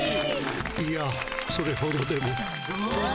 いやそれほどでも。